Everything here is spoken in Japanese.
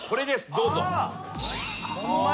どうぞ。